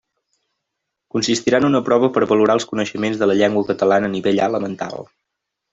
Consistirà en una prova per valorar els coneixements de la llengua catalana nivell A elemental.